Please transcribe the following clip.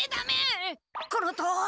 このとおりです。